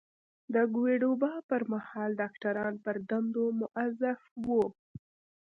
د کوويډ وبا پر مهال ډاکټران پر دندو مؤظف وو.